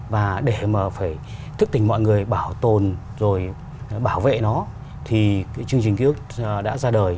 và để mà phải thức tỉnh mọi người bảo tồn rồi bảo vệ nó thì cái chương trình ký ức đã ra đời